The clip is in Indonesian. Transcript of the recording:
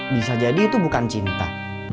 bisa jadi itu bukan cinta